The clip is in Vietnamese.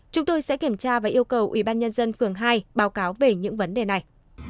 chúng tôi sẽ kiểm tra và yêu cầu ubnd phường hai báo cáo về những vấn đề này